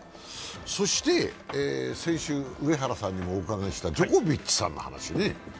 先週、上原さんにもお伺いしたジョコビッチさんの話ね。